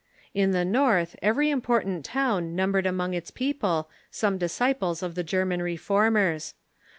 In the north every important town numbered among its people some disciples of the German Re formers.